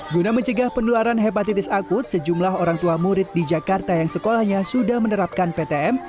guna mencegah penularan hepatitis akut sejumlah orang tua murid di jakarta yang sekolahnya sudah menerapkan ptm